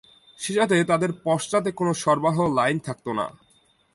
সেসাথে তাদের পশ্চাতে কোন সরবরাহ লাইন থাকত না।